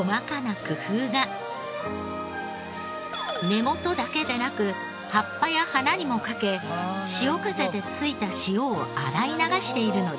根元だけでなく葉っぱや花にもかけ潮風でついた塩を洗い流しているのです。